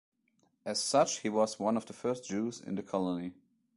As such he was one of the first Jews in the colony.